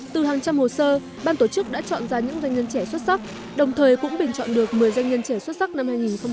từ hàng trăm hồ sơ ban tổ chức đã chọn ra những doanh nhân trẻ xuất sắc đồng thời cũng bình chọn được một mươi doanh nhân trẻ xuất sắc năm hai nghìn một mươi chín